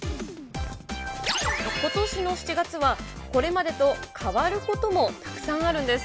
ことしの７月は、これまでと変わることもたくさんあるんです。